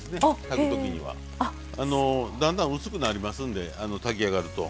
炊く時には。だんだん薄くなりますんで炊き上がると。